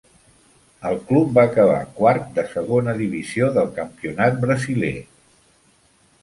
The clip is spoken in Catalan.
El club va acabar quart de Segona Divisió del Campionat Brasileiro.